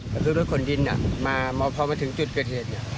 ก็คือรถขนดินพอมาถึงจุดเกิดเหตุ